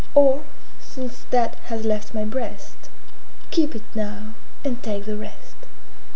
Or, since that has left my breast, Keep it now, and take the rest!